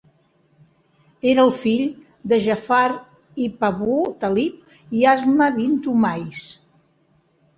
Era el fill de Ja'far ibn Abu Talib i Asma bint Umais.